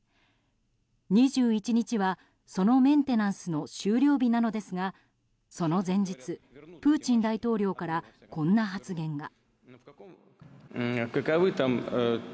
２１日は、そのメンテナンスの終了日なのですがその前日、プーチン大統領からこんな発言が。